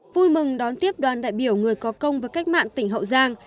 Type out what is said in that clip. vui mừng đón tiếp đoàn đại biểu người có công với cách mạng tỉnh hậu giang